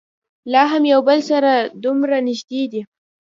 لا هم یو بل سره دومره نږدې دي.